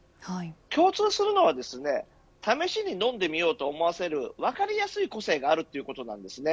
共通するのは試しに飲んでみようと思わせる分かりやすい個性があるということです。